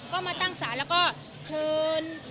ก็มาตั้งศาลแล้วก็เชิญ